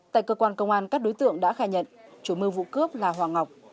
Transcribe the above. tại cơ quan công an các đối tượng đã khai nhận chủ mưu vụ cướp là hoàng ngọc